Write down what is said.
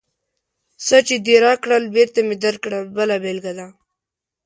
څه چې دې راکړل، بېرته مې درکړل بله بېلګه ده.